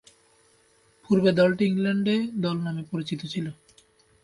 পূর্বে দলটি England A দল নামে পরিচিত ছিল।